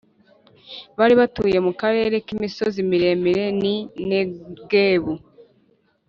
bari batuye mu karere k’imisozi miremire n’i negebu+